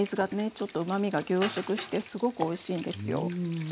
ちょっとうまみが凝縮してすごくおいしいんですよ。